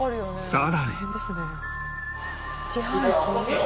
さらに。